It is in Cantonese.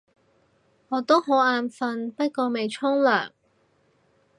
我都好眼瞓，不過未沖涼